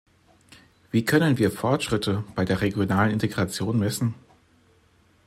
Wie können wir Fortschritte bei der regionalen Integration messen?